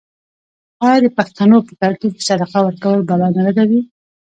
آیا د پښتنو په کلتور کې صدقه ورکول بلا نه ردوي؟